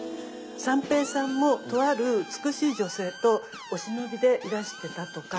三平さんもとある美しい女性とお忍びでいらしてたとか？